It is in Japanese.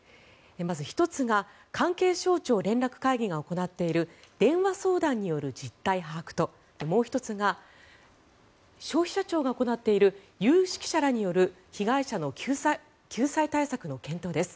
まず１つが関係省庁連絡会議が行っている電話相談による実態把握ともう１つが消費者庁が行っている有識者らによる被害者の救済対策の検討です。